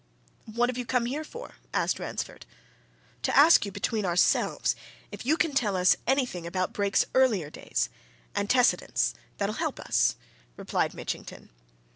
"What have you come here for?" asked Ransford. "To ask you between ourselves if you can tell us anything about Brake's earlier days antecedents that'll help us," replied Mitchington.